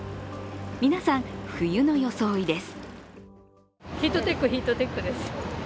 皆さん、冬の装いです。